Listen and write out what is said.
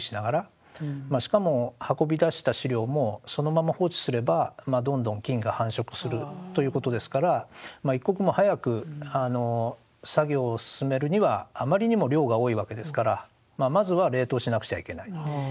しかも運び出した資料もそのまま放置すればどんどん菌が繁殖するということですから一刻も早く作業を進めるにはあまりにも量が多いわけですからまずは冷凍しなくちゃいけない。